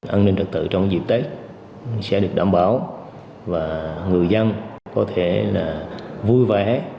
an ninh trật tự trong dịp tết sẽ được đảm bảo và người dân có thể là vui vẻ